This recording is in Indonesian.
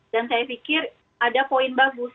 dan saya pikir ada poin bagus